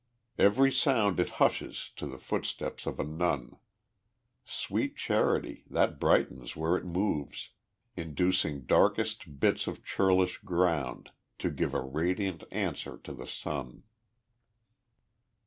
Every sound It hushes to the footstep of a nun. Sweet Charity! that brightens where it moves, Inducing darkest bits of churlish ground To give a radiant answer to the sun.